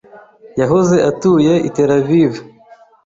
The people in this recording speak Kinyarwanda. Yahoze atuye i Tel Aviv.